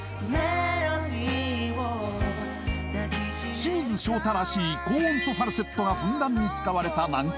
清水翔太らしい高音とファルセットがふんだんに使われた難曲。